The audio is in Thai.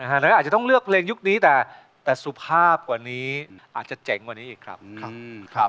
ดังนั้นอาจจะต้องเลือกเพลงยุคนี้แต่สุภาพกว่านี้อาจจะเจ๋งกว่านี้อีกครับ